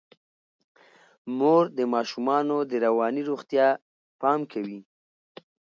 مور د ماشومانو د رواني روغتیا پام کوي.